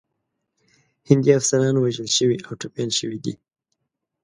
هندي افسران وژل شوي او ټپیان شوي دي.